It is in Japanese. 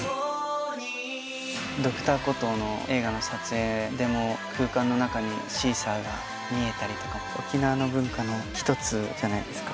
『Ｄｒ．コトー』の映画の撮影でも空間の中にシーサーが見えたりとか沖縄の文化の１つじゃないですか。